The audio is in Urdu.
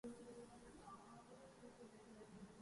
یہی ہے آزمانا‘ تو ستانا کس کو کہتے ہیں!